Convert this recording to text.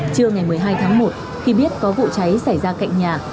trưa ngày một mươi hai tháng một khi biết có vụ cháy xảy ra cạnh nhà